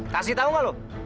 kasih tau gak lu